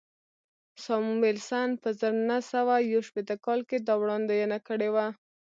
ساموېلسن په زر نه سوه یو شپېته کال کې دا وړاندوینه کړې وه